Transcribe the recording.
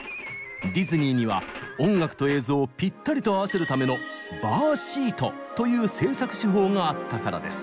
ディズニーには音楽と映像をピッタリと合わせるためのという制作手法があったからです。